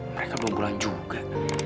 mereka belum bulan juga